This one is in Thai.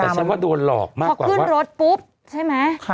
แต่ฉันว่าโดนหลอกมากพอขึ้นรถปุ๊บใช่ไหม